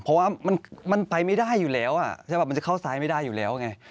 เพราะว่ามันไปไม่ได้อยู่แล้วใช่ป่ะมันจะเข้าซ้ายไม่ได้อยู่แล้วไง